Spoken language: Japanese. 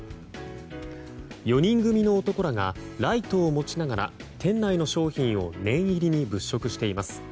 ４人組の男らがライトを持ちながら店内の商品を念入りに物色しています。